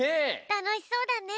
たのしそうだね！